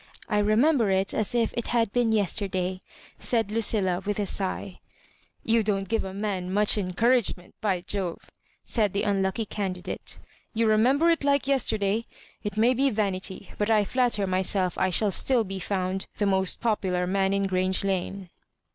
I remember it as if it had been yesterday," said Lucilla, with a sigh. *' You don't give a man much encouragement^ by Jove I " said the unlucky candidate. " You remember it like yesterday 1 It may be vanity, but I flatter myself I shall still be found the most popular man in GTrange Lane."